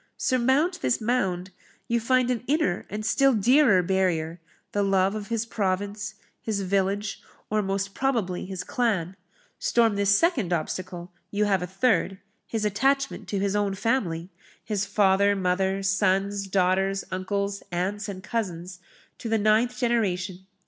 Surmount this mound, you find an inner and still dearer barrier the love of his province, his village, or, most probably, his clan; storm this second obstacle, you have a third his attachment to his own family his father, mother, sons, daughters, uncles, aunts, and cousins, to the ninth generation.